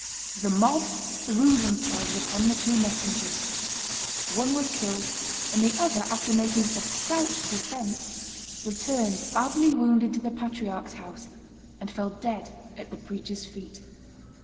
The mob threw themselves upon the two messengers: one was killed, and the other, after making a stout defence, returned badly wounded to the Patriarch's house, and fell dead at the preacher's feet.